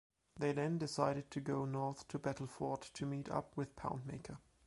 They then decided to go north to Battleford to meet up with Poundmaker.